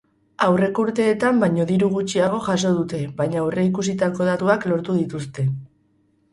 Aurreko urteetan baino diru gutxiago jaso dute, baina aurreikusitako datuak lortu dituzte.